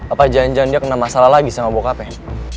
apa jangan jangan dia kena masalah lagi sama bokap ya